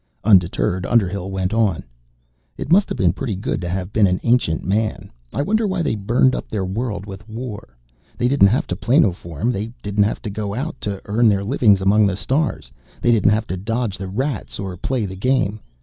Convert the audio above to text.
Undeterred, Underhill went on, "It must have been pretty good to have been an Ancient Man. I wonder why they burned up their world with war. They didn't have to planoform. They didn't have to go out to earn their livings among the stars. They didn't have to dodge the Rats or play the Game.